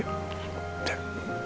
berdoa minta kesembuhan ya